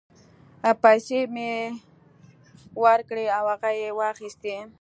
پیسې مې یې ورکړې او هغه یې واخیستې.